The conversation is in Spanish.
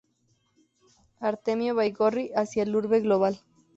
Artemio Baigorri, "Hacia la urbe global.